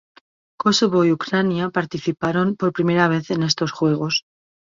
Kosovo y Ucrania participaron por primera vez en estos juegos.